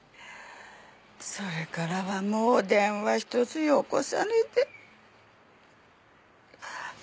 それからはもう電話ひとつよこさねで。